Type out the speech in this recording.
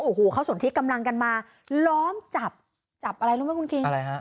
โอ้โหเขาสนทิกำลังกันมาล้อมจับจับอะไรรู้ไหมคุณคิงอะไรฮะ